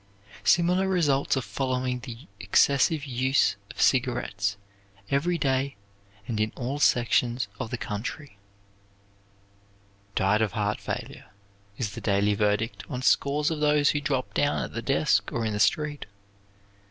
Similar results are following the excessive use of cigarettes, every day and in all sections of the country. "Died of heart failure" is the daily verdict on scores of those who drop down at the desk or in the street.